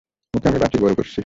ওকে আমি বাঁচিয়ে বড় করেছি।